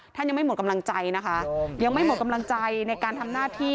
ท่านยังไม่หมดกำลังใจนะคะยังไม่หมดกำลังใจในการทำหน้าที่